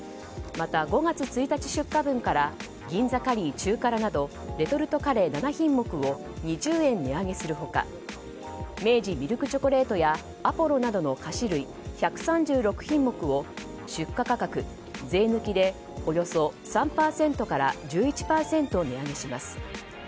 また、５月１日出荷分から銀座カリー中辛などレトルトカレー７品目を２０円値上げする他明治ミルクチョコレートやアポロなどの菓子類１３６品目を出荷価格、税抜きでおよそ３％から１１％値上げします。